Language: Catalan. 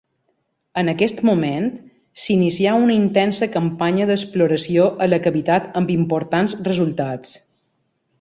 En aquest moment, s'inicià una intensa campanya d'exploració a la cavitat amb importants resultats.